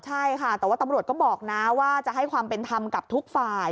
ใช่ค่ะแต่ว่าตำรวจก็บอกนะว่าจะให้ความเป็นธรรมกับทุกฝ่าย